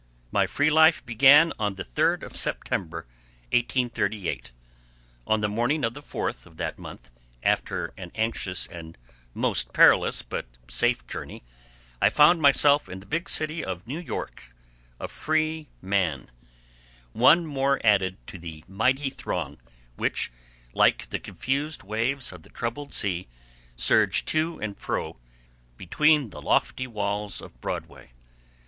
My free life began on the third of September, 1838. On the morning of the fourth of that month, after an anxious and most perilous but safe journey, I found myself in the big city of New York, a free man—one more added to the mighty throng which, like the confused waves of the troubled sea, surged to and fro between the lofty walls of Broadway.